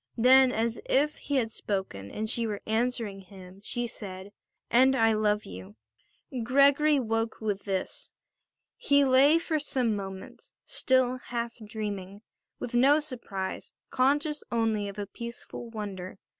Then, as if he had spoken and she were answering him, she said: "And I love you." Gregory woke with this. He lay for some moments still half dreaming, with no surprise, conscious only of a peaceful wonder.